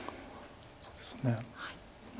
そうですね。